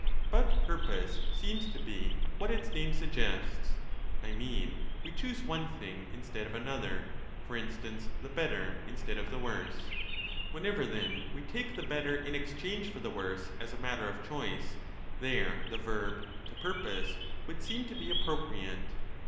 But purpose seems to be what its name suggests ; I mean, we choose one thing instead of another ; for instance, the better instead of the worse. Whenever, then, 15 we take the better in exchange for the worse as a matter of choice, there the verb ' to purpose ' would seem to be appropriate.